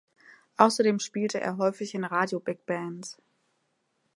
Außerdem spielte er häufig in Radio-Bigbands.